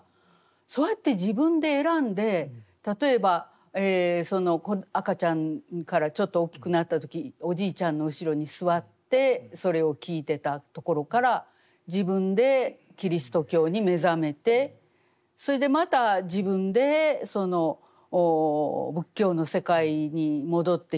そうやって自分で選んで例えば赤ちゃんからちょっと大きくなった時おじいちゃんの後ろに座ってそれを聞いてたところから自分でキリスト教に目覚めてそれでまた自分で仏教の世界に戻ってきた。